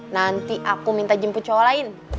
nanti aku minta jemput cewek lain